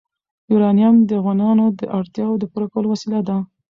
یورانیم د افغانانو د اړتیاوو د پوره کولو وسیله ده.